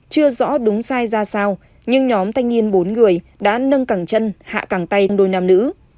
chưa rõ đúng sai ra sao nhưng nhóm thanh niên bốn người đã nâng cẳng chân hạ càng tay đôi nam nữ